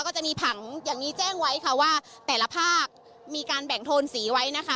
ก็จะมีผังอย่างนี้แจ้งไว้ค่ะว่าแต่ละภาคมีการแบ่งโทนสีไว้นะคะ